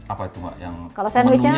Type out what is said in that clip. apa itu mbak yang menunya gimana tuh